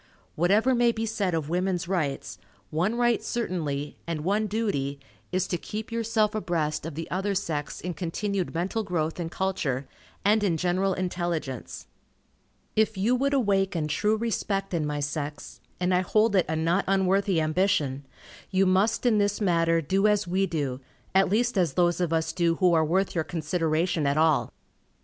Whatever may be said of "women's rights," one right certainly, and one duty, is to keep yourself abreast of the other sex in continued mental growth and culture, and in general intelligence. If you would awaken true respect in my sex, and I hold it a not unworthy ambition, you must in this matter do as we do, at least as those of us do who are worth your consideration at all.